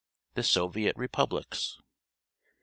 THE SOVIET REPUBLICS <^^